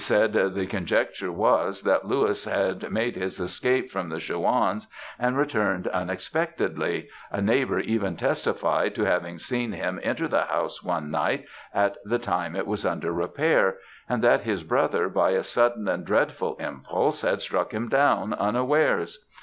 said, the conjecture was, that Louis had made his escape from the Chouans, and returned unexpectedly a neighbour even testified to having seen him enter the house one night at the time it was under repair and that his brother by a sudden and dreadful impulse, had struck him down unawares.